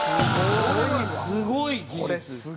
すごい技術です。